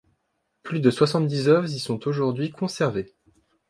Plus de soixante-dix œuvres y sont aujourd'hui conservées.